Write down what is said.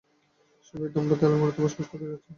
Severe দম্পতি আলমোড়াতে বসবাস করতে যাচ্ছেন, মিস মূলারও তাই।